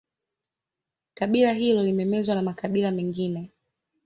Kabila hilo limemezwa na makabila mengine